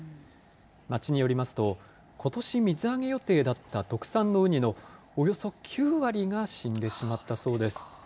町によりますと、ことし水揚げ予定だった特産のウニのおよそ９割が死んでしまったそうです。